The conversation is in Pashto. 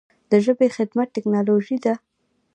د ژبې خدمت ټکنالوژي ده.